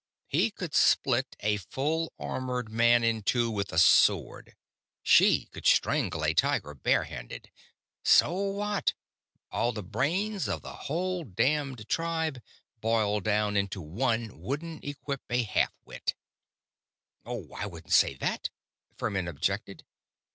He could split a full armored man in two with a sword; she could strangle a tiger bare handed. So what? All the brains of the whole damned tribe, boiled down into one, wouldn't equip a half wit."_ _"Oh, I wouldn't say that," Furmin objected.